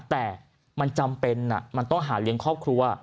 แต่มันจำเป็นมันต้องหาเลี้ยงครอบครัว